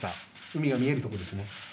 海が見えるところですね。